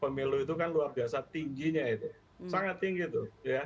pemilu itu kan luar biasa tingginya itu sangat tinggi tuh